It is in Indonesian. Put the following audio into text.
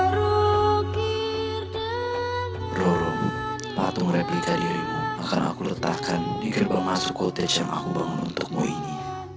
roro patung replika diaimu akan aku letakkan di gerbang masuk coutage yang aku bangun untukmu ini